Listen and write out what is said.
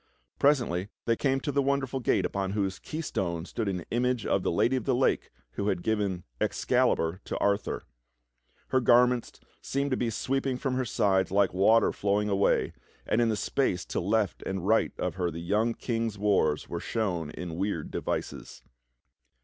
Presently they came to the wonderful gate upon whose keystone stood an image of the Lad}' of the Lake who had given Excalibur to Arthur. Her gar ments seemed to be sweeping from her sides like water flowing away, and in the space to left and right of her the young King's wars were shown in weird devices.